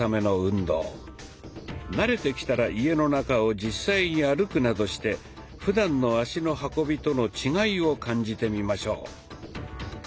慣れてきたら家の中を実際に歩くなどしてふだんの足の運びとの違いを感じてみましょう。